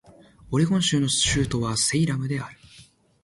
オレゴン州の州都はセイラムである